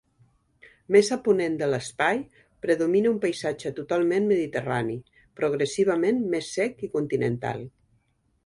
Més a ponent de l'espai, predomina un paisatge totalment mediterrani, progressivament més sec i continental.